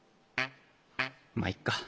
まっいっか。